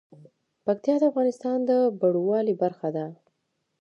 پکتیا د افغانستان د بڼوالۍ برخه ده.